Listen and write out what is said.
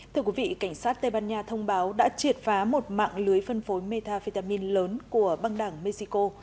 thưa quý vị cảnh sát tây ban nha thông báo đã triệt phá một mạng lưới phân phối metafetamin lớn của băng đảng mexico